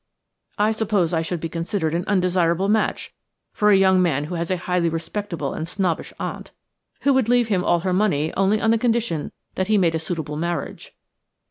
I suppose I should be considered an undesirable match for a young man who has a highly respectable and snobbish aunt, who would leave him all her money only on the condition that he made a suitable marriage.